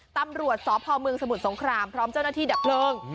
ตำรวจสพเมืองสมุทรสงครามพร้อมเจ้าหน้าที่ดับเพลิง